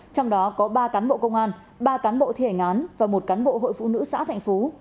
trong đó có ba cán bộ công an ba cán bộ thi hành án và một cán bộ hội phụ nữ xã thành phú